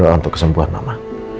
kita berdua untuk kesembuhan mama